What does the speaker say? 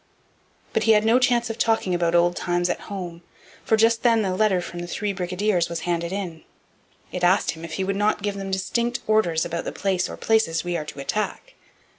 But he had no chance of talking about old times at home, for just then a letter from the three brigadiers was handed in. It asked him if he would not give them 'distinct orders' about 'the place or places we are to attack.'